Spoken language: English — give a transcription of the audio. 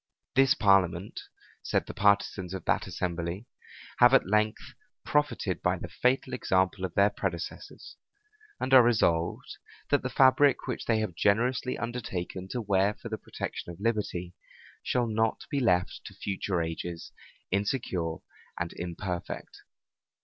This parliament, said the partisans of that assembly, have at length profited by the fatal example of their predecessors; and are resolved, that the fabric which they have generously undertaken to wear for the protection of liberty, shall not be left to future ages insecure and imperfect.